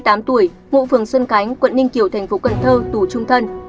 hai mươi tám tuổi ngụ phường sơn cánh quận ninh kiều tp cn tù trung thân